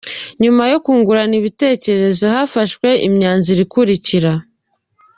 Nyuma yo kungurana ibitekerezo hafashwe imyanzuro ikurikira:.